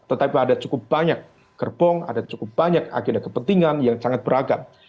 tetapi ada cukup banyak gerbong ada cukup banyak agenda kepentingan yang sangat beragam